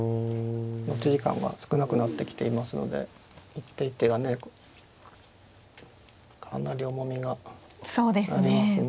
持ち時間は少なくなってきていますので一手一手がねかなり重みがありますね。